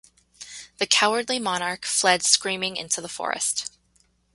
The cowardly monarch fled screaming into the forest.